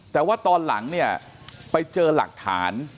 เด้อว่าตอนหลังไปเจอหลักฐาน